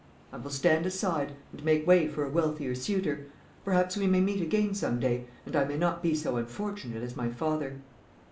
I will stand aside, and make way for a wealthier suitor. Perhaps we may meet again some day, and I may not be so unfortunate as my father."